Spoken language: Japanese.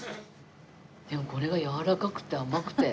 これがやわらかくて甘くて。